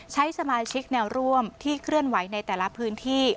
ใช้สมาชิกแนวร่วมที่เคลื่อนไหวในแต่ละพื้นที่